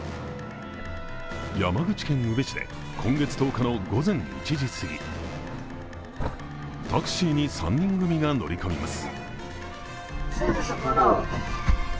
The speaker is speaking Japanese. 山口県宇部市で今月１０日の午後１時すぎ、タクシーに３人組が乗り込みます。